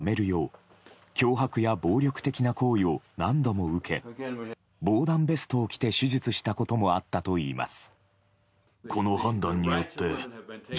中絶をやめるよう脅迫や暴力的な行為を何度も受け防弾ベストを着て手術したこともあったといいます。